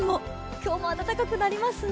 今日も暖かくなりますね。